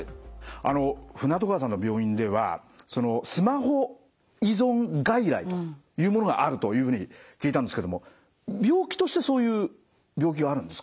あの船渡川さんの病院ではスマホ依存外来というものがあるというふうに聞いたんですけども病気としてそういう病気があるんですか？